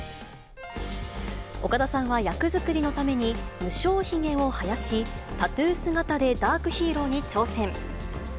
岡田さんは役作りのために、不精ひげを生やし、タトゥー姿でダークヒーローに挑戦。